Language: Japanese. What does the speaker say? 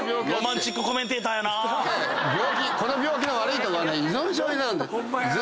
この病気の悪いとこは依存症になるんだよ。